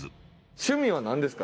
趣味はなんですか？